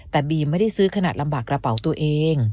แต่บีมไม่ได้ซื้อขนาดลำบากกระเป๋าตัวเอง